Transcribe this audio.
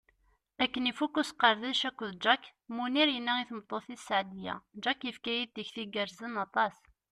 Akken ifuk usqerdec akked Jack, Munir yenna i tmeṭṭut-is Seɛdiya: Jack yefka-yi-d tikti igerrzen aṭas.